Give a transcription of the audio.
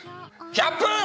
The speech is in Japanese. １００分！